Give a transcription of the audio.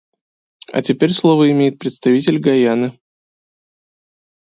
А теперь слово имеет представитель Гайаны.